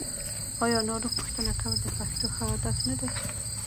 آیا ناروغ پوښتنه کول د پښتنو ښه عادت نه دی؟